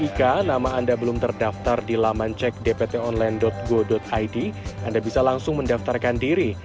jika nama anda belum terdaftar di laman cek dpt online go id anda bisa langsung mendaftarkan diri